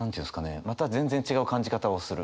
また全然違う感じ方をする。